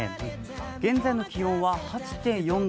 現在の気温は８．４度。